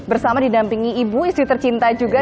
bersama didampingi ibu istri tercinta juga